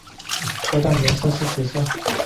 车站颜色是紫色。